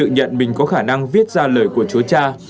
nàng viết ra lời của chúa cha